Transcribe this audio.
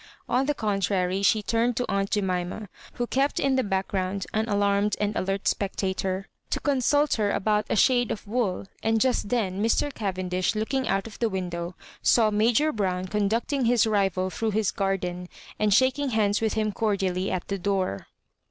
On the contrary she turned to aunt Jemima, who kept in the background an alarmed and alert spectator, to consult her about Digitized by VjOOQIC loss MABJOBIBANKa la B shade of wool — and just then Mr. Cavendish, looking out of the window, saw Major Brown conducting his rival through his garden, and shaking hands with him cordially at the door.